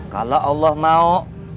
kalo allah mau